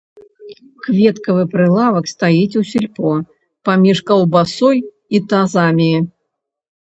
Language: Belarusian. Кветкавы прылавак стаіць у сельпо, паміж каўбасой і тазамі.